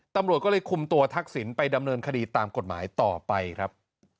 ตำรวจก็เลยคุมตัวทักษิณไปดำเนินคดีตามกฎหมายต่อไปครับ